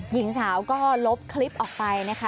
หญิงสาวก็ลบคลิปออกไปนะคะ